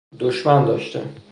دشمن داشته